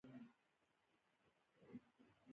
ایا د شپې ډوډۍ خورئ؟